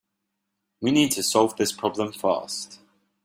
We need to solve this problem fast.